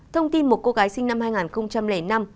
thông tin một cô gái sinh năm hai nghìn năm